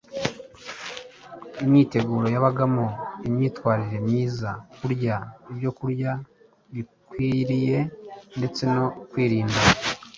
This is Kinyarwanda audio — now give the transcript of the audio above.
imyiteguro yabagamo imyitwarire myiza, kurya ibyokurya bikwiriye ndetse no kwirinda